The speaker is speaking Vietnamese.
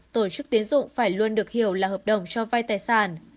tổ chức tiến dụng phải luôn được hiểu là hợp đồng cho vai tài sản